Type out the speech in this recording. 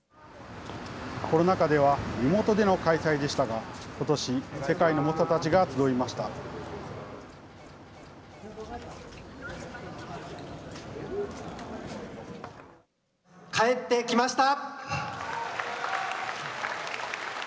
コロナ禍ではリモートでの開催でしたが、ことし、世界の猛者たちが集いました。